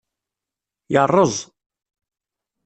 Yerreẓ.